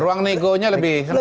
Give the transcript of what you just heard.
ruang negonya lebih